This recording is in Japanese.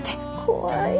怖い。